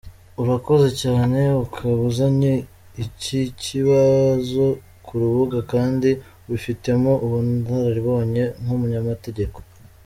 Urakoze cyane kuba uzanye iki kibazo ku rubuga kandi ubifitemo ubunararibonye nk’umunyamategeko.